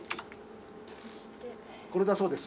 これだそうです。